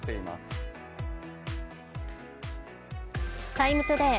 「ＴＩＭＥ，ＴＯＤＡＹ」